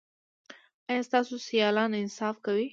ایا ستاسو سیالان انصاف کوي؟